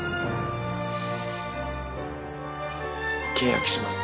契約します。